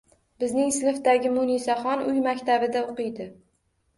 Bizning sinfdagi Munisaxon uy maktabida o`qiydi